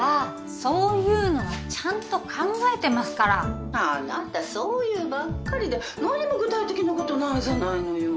そういうのはちゃんと考えてますから☎あなたそう言うばっかりで☎何も具体的なことないじゃないのよ